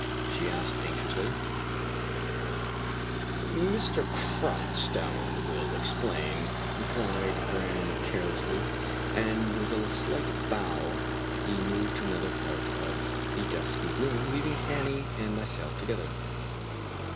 she asked anxiously, " Mr. Cranstoun will explain," replied Brann carelessly ; and, with a slight bow, he moved to another part of the dusky room, leaving Annie and myself together.